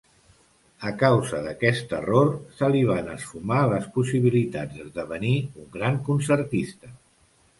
A causa d'aquest error se li van esfumar les possibilitats d'esdevenir un gran concertista.